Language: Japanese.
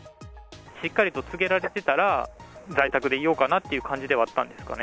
しっかりと告げられてたら、在宅でいようかなという感じではあったんですかね？